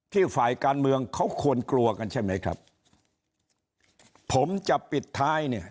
ฝ่ายการเมืองเขาควรกลัวกันใช่ไหมครับผมจะปิดท้ายเนี่ย